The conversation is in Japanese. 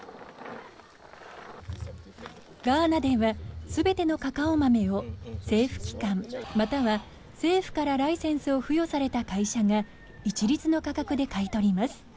ガーナでは全てのカカオ豆を政府機関または政府からライセンスを付与された会社が一律の価格で買い取ります。